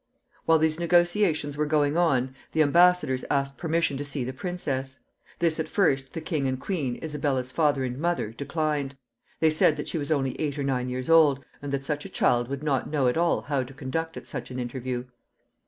While these negotiations were going on, the embassadors asked permission to see the princess. This at first the king and queen, Isabella's father and mother, declined. They said that she was only eight or nine years old, and that such a child would not know at all how to conduct at such an interview.